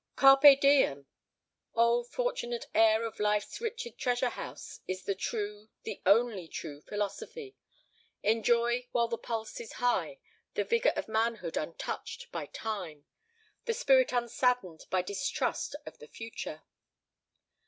"Carpe Diem!" oh! fortunate heir of life's richest treasure house, is the true, the only true philosophy. Enjoy, while the pulse is high, the vigour of manhood untouched by Time, the spirit unsaddened by distrust of the future.